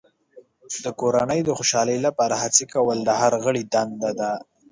د کورنۍ د خوشحالۍ لپاره هڅې کول د هر غړي دنده ده.